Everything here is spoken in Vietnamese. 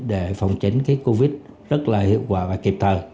để phòng chống cái covid rất là hiệu quả và kịp thời